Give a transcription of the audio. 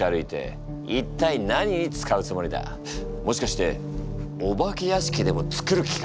もしかしてお化け屋敷でも作る気か？